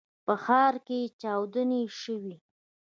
په ښار کې چاودنې شوي.